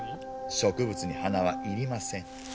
植物に鼻は要りません。